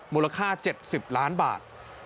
มูลค่า๗๐ล้านบาท